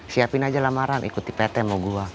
siapin aja lamaran ikuti pt mau gue